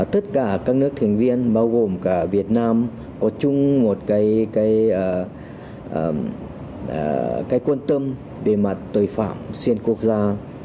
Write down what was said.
tất cả các nước thành viên bao gồm cả việt nam có chung một cách quan tâm về mặt tội phạm xuyên quốc gia